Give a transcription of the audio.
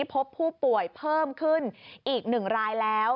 พบผู้ป่วยเพิ่มขึ้นอีก๑รายแล้ว